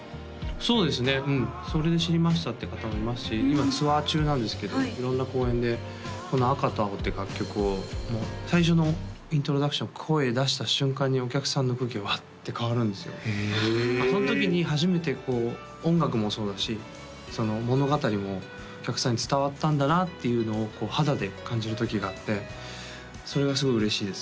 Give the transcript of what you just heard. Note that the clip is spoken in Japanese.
そうですねうんそれで知りましたっていう方もいますし今ツアー中なんですけど色んな公演でこの「赤と青」という楽曲を最初のイントロダクション声出した瞬間にお客さんの空気がうわって変わるんですよへえその時に初めてこう音楽もそうだし物語もお客さんに伝わったんだなっていうのを肌で感じる時があってそれがすごい嬉しいです